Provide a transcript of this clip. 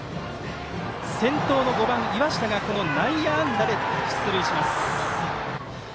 先頭の５番、岩下が内野安打で出塁します。